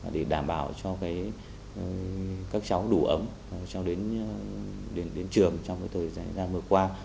để đảm bảo cho các cháu đủ ấm cho đến trường trong thời gian vừa qua